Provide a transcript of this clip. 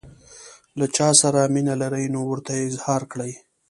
له چا سره مینه لرئ نو ورته یې اظهار کړئ.